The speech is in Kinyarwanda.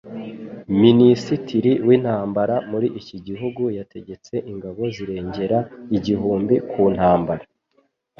minisitiri w’intambara muri iki gihugu, yategetse ingabo zirengera igihumbi ku ntambara